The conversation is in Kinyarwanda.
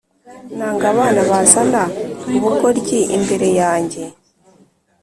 Nanga abana bazana ubugoryi imbere yanjye